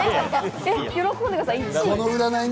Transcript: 喜んでください、１位。